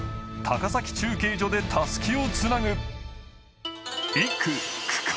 高崎中継所でたすきをつなぐ。